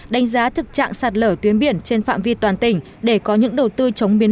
đánh giá thực trạng sạt lở tuyến biển trên phạm vi toàn tỉnh để có những đầu tư chống biến